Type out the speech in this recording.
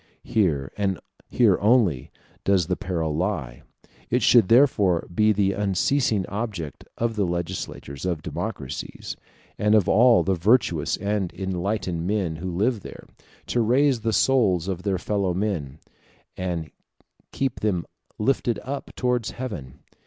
Here, and here only, does the peril lie. It should therefore be the unceasing object of the legislators of democracies, and of all the virtuous and enlightened men who live there, to raise the souls of their fellow citizens, and keep them lifted up towards heaven.